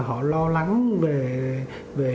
họ lo lắng về